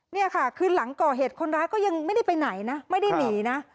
นี่ค่ะคือหลังก่อเหตุคนร้ายก็ยังไม่ได้ไปไหนนะไม่ได้หนีนะ